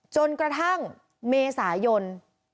จนกระทั่งเมษายน